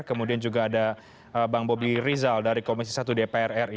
kemudian juga ada bang bobi rizal dari komisi satu dpr ri